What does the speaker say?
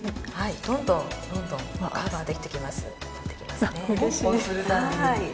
どんどんどんどんカバーできてきます。